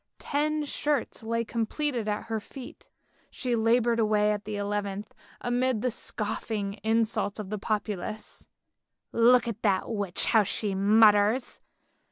Ten shirts lay completed at her feet— she laboured away at the eleventh, amid the scoffing insults of the populace. " Look at the witch how she mutters.